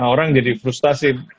orang jadi frustasi